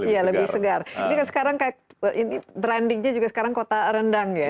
iya lebih segar ini kan sekarang kayak ini brandingnya juga sekarang kota rendang ya